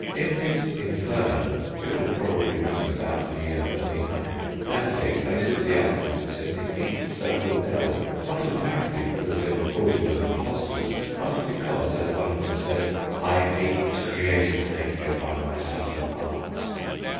In his Inferno (which was probably written about the year 1300), Dante places the alchemists in the eighth circle of hell, not apparently because they were fraudulent impostors, but because, as one of them says, "I aped creative nature by my subtle art."